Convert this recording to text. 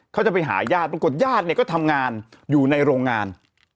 เขาจะไปหายาดปรากฏว่ายาดก็ทำงานอยู่ในโรงงาน